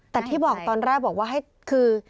แต่ที่บอกตอนแรกบอกว่าให้คือ